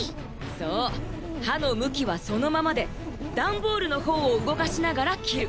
そうはのむきはそのままでダンボールのほうをうごかしながらきる。